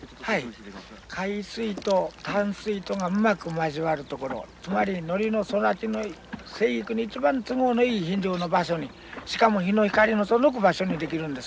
はい海水と淡水とがうまく交わる所つまりノリの育ちの生育に一番都合のいい場所にしかも日の光の届く場所に出来るんですね。